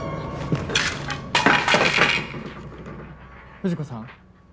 藤子さん？